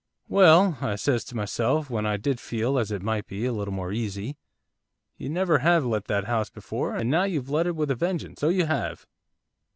'"Well," I says to myself, when I did feel, as it might be, a little more easy, "you never have let that house before, and now you've let it with a vengeance, so you have.